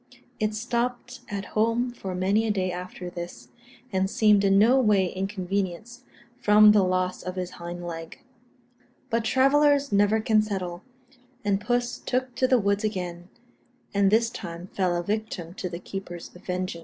It stopped at home for many a day after this, and seemed in no way inconvenienced from the loss of its hind leg. But travellers never can settle, and puss took to the woods again, and this time fell a victim to the keeper's vengeance.